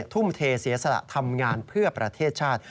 ทุ่มเทเสียสละทำงานเพื่อประเทศชาติ